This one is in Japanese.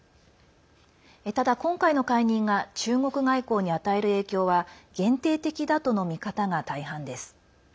ただ、今回の解任が中国外交に与える影響は限定的だとの見方が大半です。